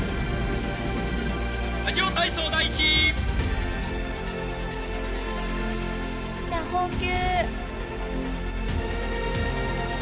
『ラジオ体操第１』じゃあ放球。